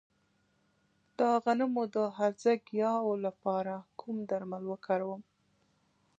د غنمو د هرزه ګیاوو لپاره کوم درمل وکاروم؟